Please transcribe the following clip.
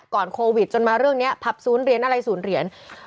โควิดจนมาเรื่องนี้ผับศูนย์เหรียญอะไรศูนย์เหรียญ